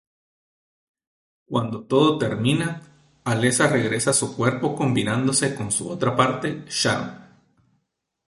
Cuando todo termina, Alessa regresa a su cuerpo combinándose con su otra parte, Sharon.